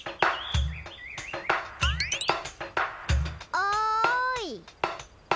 おい。